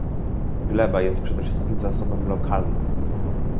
Gleba jest przede wszystkim zasobem lokalnym